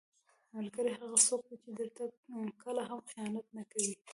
ملګری هغه څوک دی چې درته کله هم خیانت نه کوي.